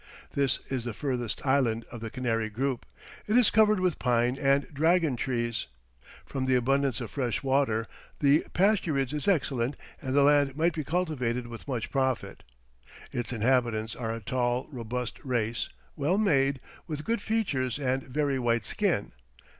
This is the furthest island of the Canary group; it is covered with pine and dragon trees; from the abundance of fresh water the pasturage is excellent and the land might be cultivated with much profit. Its inhabitants are a tall, robust race, well made, with good features and very white skin.